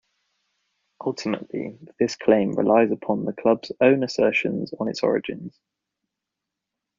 Ultimately this claim relies upon the Club's own assertions on its origins.